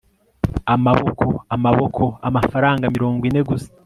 amaboko! amaboko! amafaranga mirongo ine gusa